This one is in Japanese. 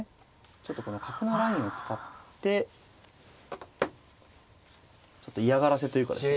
ちょっとこの角のラインを使ってちょっと嫌がらせというかですね